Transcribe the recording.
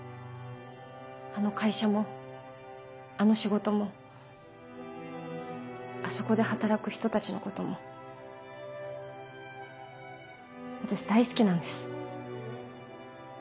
あの会社もあの仕事もあそこで働く人たちのことも私大好きなんです。